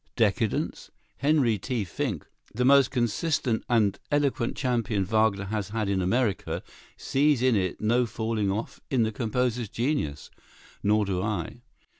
Decadence? Henry T. Finck, the most consistent and eloquent champion Wagner has had in America, sees in it no falling off in the composer's genius; nor do I.